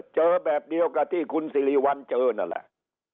เจอแบบเดียวกับที่คุณสิริวัลเจอนั่นแหละ